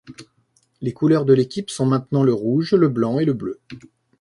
Les couleurs de l'équipe sont maintenant le rouge, le blanc et le bleu.